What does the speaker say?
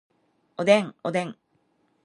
おでん